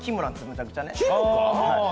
めちゃくちゃね。